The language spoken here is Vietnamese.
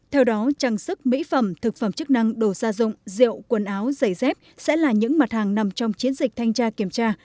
theo đó trang sức mỹ phẩm thực phẩm chức năng đồ gia dụng rượu quần áo giày dép sẽ là những mặt hàng nằm trong chiến dịch thanh tra kiểm tra